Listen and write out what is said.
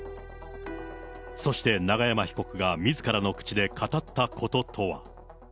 そして永山被告がみずからの口で語ったこととは。